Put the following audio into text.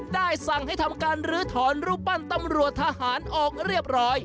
ได้สั่งให้ทำการลื้อถอนรูปปั้นตำรวจทหารออกเรียบร้อย